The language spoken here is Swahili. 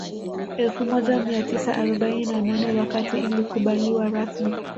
Elfu moja mia tisa arobaini na nane wakati ilikubaliwa rasmi